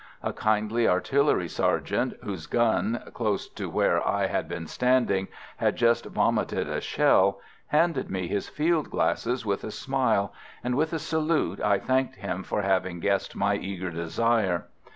A kindly artillery sergeant, whose gun, close to where I had been standing, had just vomited a shell, handed me his field glasses with a smile, and with a salute I thanked him for having guessed my eager desire.